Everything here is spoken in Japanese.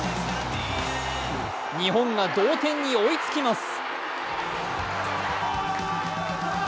日本が同点に追いつきます。